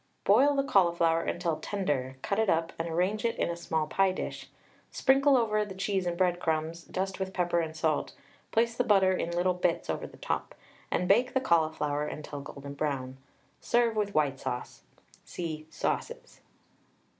Boil the cauliflower until tender, cut it up and arrange it in a small pie dish; sprinkle over the cheese and breadcrumbs, dust with pepper and salt, place the butter in little bits over the top, and bake the cauliflower until golden brown. Serve with white sauce. (See "Sauces.")